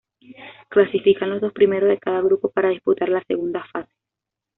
Clasifican los dos primeros de cada grupo para disputar la segunda fase.